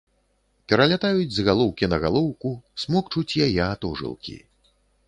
Пералятаюць з галоўкі на галоўку, смокчуць яе атожылкі.